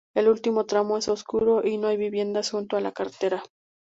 El último tramo es oscuro y no hay viviendas junto a la carretera.